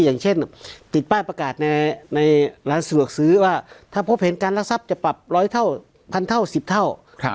อย่างเช่นติดป้ายประกาศในร้านสะดวกซื้อว่าถ้าพบเห็นการรักทรัพย์จะปรับ๑๐๐เท่าพันเท่า๑๐เท่า